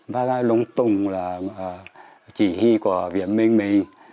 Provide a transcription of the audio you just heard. bác cái sỏn là chỉ huy của viên minh mình